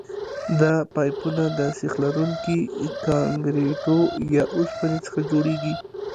دا پایپونه د سیخ لرونکي کانکریټو یا اوسپنې څخه جوړیږي